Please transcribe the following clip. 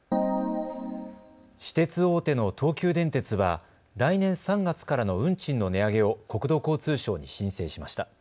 私鉄大手の東急電鉄は来年３月からの運賃の値上げを国土交通省に申請しました。